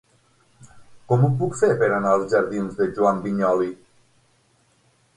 Com ho puc fer per anar als jardins de Joan Vinyoli?